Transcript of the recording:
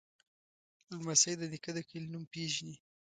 لمسی د نیکه د کلي نوم پیژني.